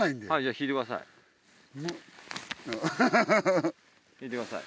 引いてください。